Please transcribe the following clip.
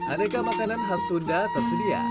aneka makanan khas sunda tersedia